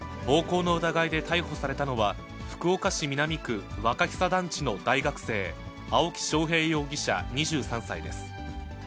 暴行の疑いで逮捕されたのは、福岡市南区若久団地の大学生、青木翔平容疑者２３歳です。